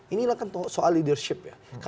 inilah kan soal leadership ya